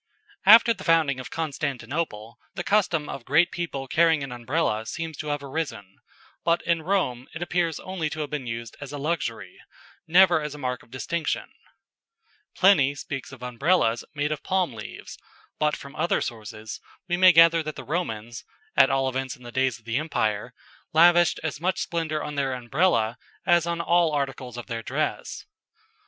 After the founding of Constantinople, the custom of great people carrying an Umbrella seems to have arisen, but in Rome it appears only to have been used as a luxury, never as a mark of distinction, Pliny speaks of Umbrellas made of palm leaves, but from other sources we may gather that the Romans at all events in the days of the empire lavished as much splendour on their Umbrella as on all the articles of their dress.